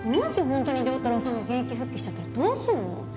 ホントに亮太郎さんが現役復帰しちゃったらどうすんの？